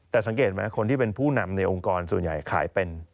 แต่สังเกตไหมคนที่เป็นผู้นำในองค์กรส่วนใหญ่ขายเป็น